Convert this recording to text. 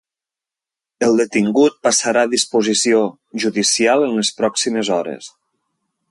El detingut passarà a disposició judicial en les pròximes hores.